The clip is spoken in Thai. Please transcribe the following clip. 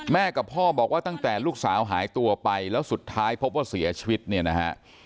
กับพ่อบอกว่าตั้งแต่ลูกสาวหายตัวไปแล้วสุดท้ายพบว่าเสียชีวิตเนี่ยนะฮะ